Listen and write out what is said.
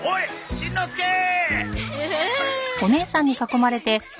しんのすけー！